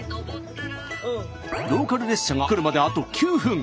ローカル列車が来るまであと９分。